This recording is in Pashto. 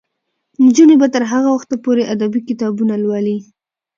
نجونې به تر هغه وخته پورې ادبي کتابونه لولي.